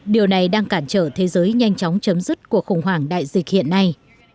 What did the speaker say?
điều này đang cản trở thế giới nhanh chóng chấm dứt cuộc khủng hoảng đại dịch hiện nay